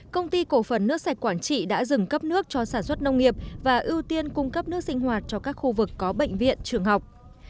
công ty cổ phần nước sạch quản trị đã dừng cấp nước cho sản xuất nông nghiệp và ưu tiên cung cấp nước sinh hoạt cho các khu vực có bệnh viện trường học